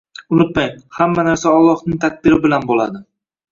Unutmag, hamma narsa Allohning taqdiri bilan bo‘ladi.